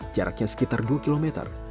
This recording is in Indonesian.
jaraknya sekitar dua km